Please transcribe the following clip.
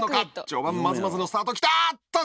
序盤まずまずのスタートをきったあっと！